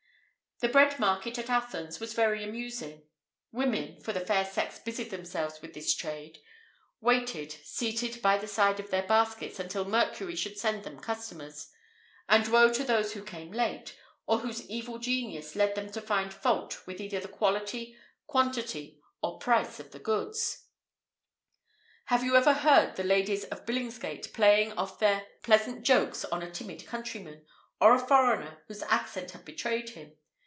The bread market at Athens was very amusing; women (for the fair sex busied themselves with this trade) waited, seated, by the side of their baskets until Mercury should send them customers, and woe to those who came late, or whose evil genius led them to find fault with either the quality, quantity, or price of the goods. Have you ever heard the ladies of Billingsgate playing off their pleasant jokes on a timid countryman, or a foreigner, whose accent had betrayed him?